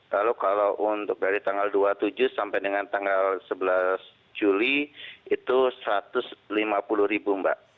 lalu kalau untuk dari tanggal dua puluh tujuh sampai dengan tanggal sebelas juli itu satu ratus lima puluh ribu mbak